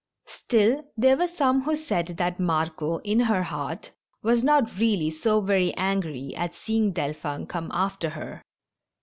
Still, there were some who said that Margot, in her heart, was not really so very angry at seeing Delphin come after her.